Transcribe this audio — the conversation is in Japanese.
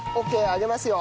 あげますよ。